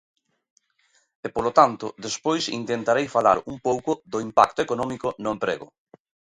E, polo tanto, despois intentarei falar un pouco do impacto económico no emprego.